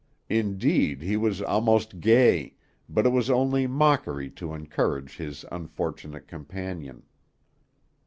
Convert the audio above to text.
Indeed, he was almost gay, but it was only mockery to encourage his unfortunate companion.